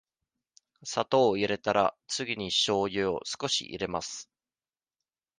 砂糖を入れたら、次にしょうゆを少し入れます。